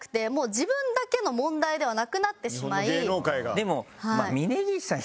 でも。